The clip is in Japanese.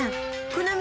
この道